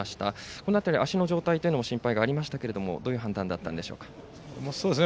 この辺り、足の状態も心配がありましたけどどういう判断だったんでしょうか。